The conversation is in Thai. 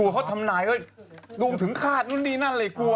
เขาทำนายดวงถึงฆาตนู่นนี่นั่นเลยกลัว